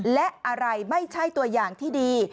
และอะไรไม่ใช่ตัวอย่างที่ดี